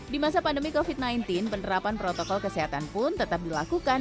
di masa pandemi covid sembilan belas penerapan protokol kesehatan pun tetap dilakukan